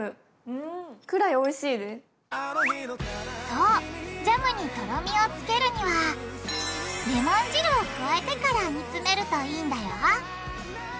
そうジャムにとろみをつけるにはレモン汁を加えてから煮詰めるといいんだよ